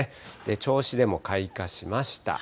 銚子でも開花しました。